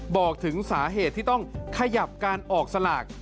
บอกถึงสาเหตุที่ต้องขยับการออกสลาก